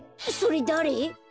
それだれ？